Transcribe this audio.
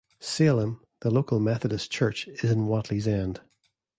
Salem, the local Methodist church, is in Watley's End.